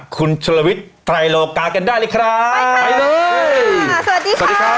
คุณเฉลวิชไตรโลกากันได้เลยครับไปค่ะไปเลยสวัสดีครับสวัสดีครับ